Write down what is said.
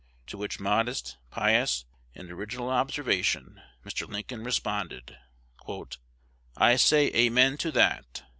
To which modest, pious, and original observation, Mr. Lincoln responded, "I say Amen to that!